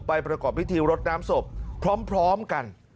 ประกอบพิธีรดน้ำศพพร้อมกัน